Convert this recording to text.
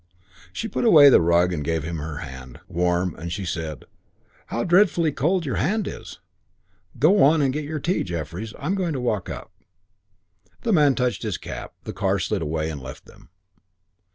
She put away the rug and gave him her hand. Warm, and she said, "How dreadfully cold your hand is! Go on and get your tea, Jeffries. I'm going to walk up." The man touched his cap. The car slid away and left them.